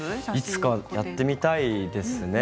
いつかやってみたいですね。